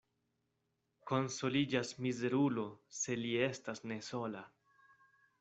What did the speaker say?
Konsoliĝas mizerulo, se li estas ne sola.